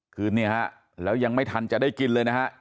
คืนนี้แล้วยังไม่ทันจะได้กินเลยนะครับ